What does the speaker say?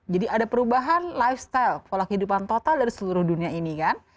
jadi ada perubahan lifestyle pola kehidupan total dari seluruh dunia ini kan